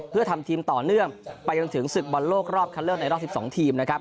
เพื่อทำทีมต่อเนื่องไปจนถึงศึกบอลโลกรอบคันเลือกในรอบ๑๒ทีมนะครับ